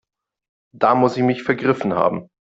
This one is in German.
Da muss ich mich vergriffen haben.